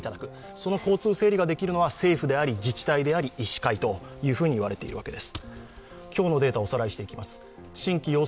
その交通整理ができるのは政府、自治体、医師会といわれているわけです。